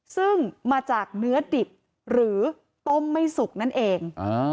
ซึ่งมาจากเนื้อดิบหรือต้มไม่สุกนั่นเอง